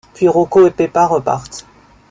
Puis, Rocco et Pepa repartent.